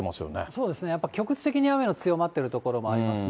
そうですね、やっぱり局地的に雨の強まっている所があります。